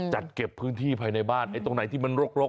จัดเก็บพื้นที่ภายในบ้านไอ้ตรงไหนที่มันรก